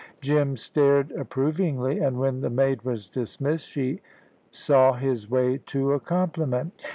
Jim stared approvingly, and, when the maid was dismissed, saw his way to a compliment.